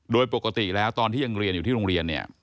โดยปกติแล้วตอนที่ยังเรียนอยู่ที่โรงเรียนเนี่ย